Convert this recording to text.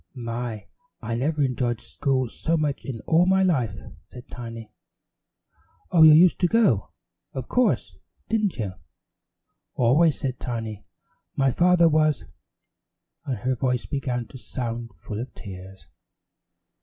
"My, I never enjoyed school so much in all my life," said Tiny. "Oh, you used to go, of course, didn't you?" "Always," said Tiny, "my father was " and her voice began to sound full of tears.